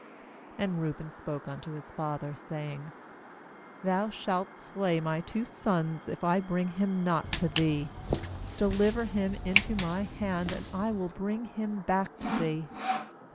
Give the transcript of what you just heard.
37And Reuben spoke unto his father, saying 'Thou shalt slay my two sons, if I bring him not to thee; deliver him into my hand, and I will bring mm back to thee.